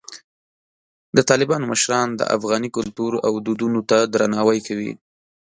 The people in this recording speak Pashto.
د طالبانو مشران د افغاني کلتور او دودونو ته درناوی کوي.